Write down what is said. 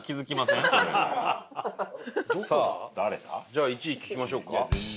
さあじゃあ１位聞きましょうか？